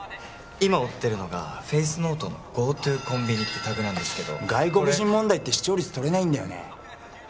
今追ってるのがフェイスノートの「ＧＯＴＯＫＯＮＢＩＮＩ」ってタグなんですけど外国人問題って視聴率取れないんだよね